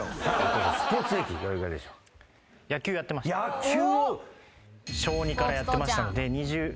野球。